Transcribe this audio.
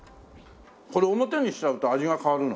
これ表にしちゃうと味が変わるの？